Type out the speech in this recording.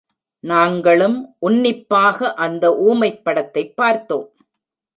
நாங்களும் உன்னிப்பாக அந்த ஊமைப் படத்தைப் பார்த்தோம்.